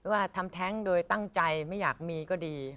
ว่าทำแท้งโดยตั้งใจไม่อยากมีก็ดี